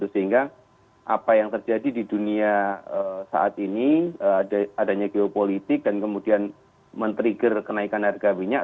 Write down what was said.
sehingga apa yang terjadi di dunia saat ini adanya geopolitik dan kemudian men trigger kenaikan harga minyak